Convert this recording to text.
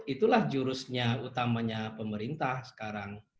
itulah jurusnya utamanya pemerintah sekarang